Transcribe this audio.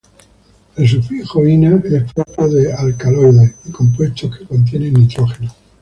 El sufijo "-ina" es propio de alcaloides y compuestos que contienen nitrógeno.